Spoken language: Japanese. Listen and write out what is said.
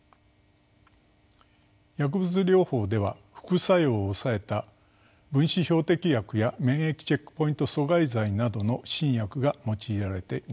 薬物療法では副作用を抑えた分子標的薬や免疫チェックポイント阻害剤などの新薬が用いられています。